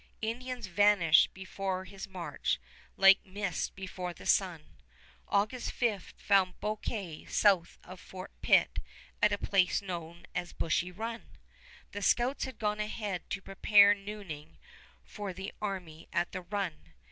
Indians vanished before his march like mist before the sun. August 5 found Bouquet south of Fort Pitt at a place known as Bushy Run. The scouts had gone ahead to prepare nooning for the army at the Run.